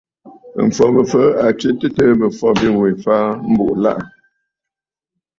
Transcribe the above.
M̀fɔ̀ Bɨ̀fɨɨ̀ à tswe a tɨtɨ̀ɨ bɨ̀fɔ̀ bîwè fàa mbùʼù àlaʼà.